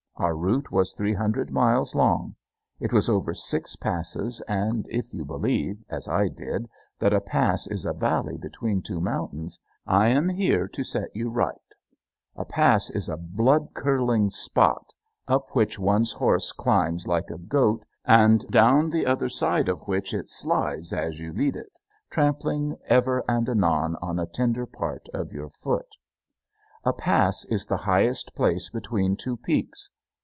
Our route was three hundred miles long. It was over six passes, and if you believe, as I did, that a pass is a valley between two mountains, I am here to set you right. [Illustration: HIKERS ON PIEGAN PASS] A pass is a bloodcurdling spot up which one's horse climbs like a goat and down the other side of which it slides as you lead it, trampling ever and anon on a tender part of your foot. A pass is the highest place between two peaks.